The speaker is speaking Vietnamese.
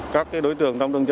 các đối tượng trong đơn chế